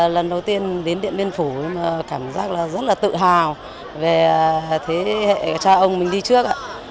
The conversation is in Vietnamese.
lần đầu tiên đến điện biên phủ cảm giác rất là tự hào về thế hệ cha ông mình đi trước